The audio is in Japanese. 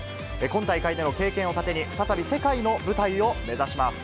今大会での経験を糧に再び世界の舞台を目指します。